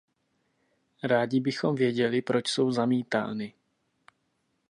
Rádi bychom věděli, proč jsou zamítány.